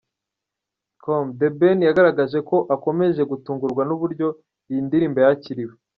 com, The Ben yagaragaje ko akomeje gutungurwa n’uburyo iyi ndirimbo yakiriwe.